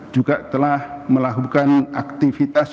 juga telah melakukan aktivitas